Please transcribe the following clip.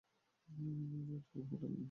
আর এটা কোনো হোটেল নয়।